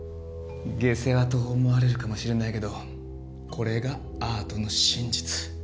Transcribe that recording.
下世話と思われるかもしれないけどこれがアートの真実。